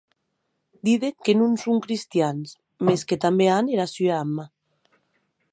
Diden que non son crestians, mès que tanben an era sua amna.